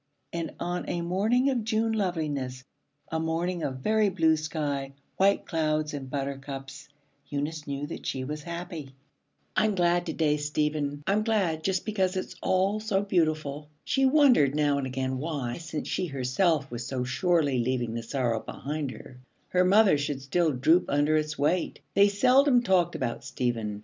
And on a morning of June loveliness, a morning of very blue sky, white clouds, and butter cups, Eunice knew that she was happy. 'I'm glad to day, Stephen, I'm glad, just because it's all so beautiful.' She wondered now and again why, since she herself was so surely leaving the sorrow behind her, her mother should still droop under its weight. They seldom talked about Stephen.